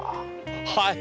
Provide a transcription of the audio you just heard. はい！